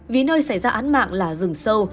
vì nơi xảy ra án mạng là rừng sâu